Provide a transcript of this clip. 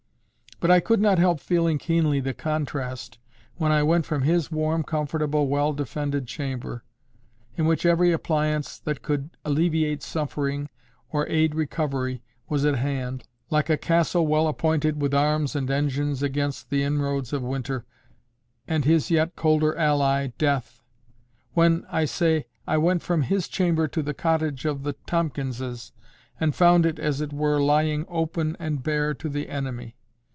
But I could not help feeling keenly the contrast when I went from his warm, comfortable, well defended chamber, in which every appliance that could alleviate suffering or aid recovery was at hand, like a castle well appointed with arms and engines against the inroads of winter and his yet colder ally Death,—when, I say, I went from his chamber to the cottage of the Tomkinses, and found it, as it were, lying open and bare to the enemy.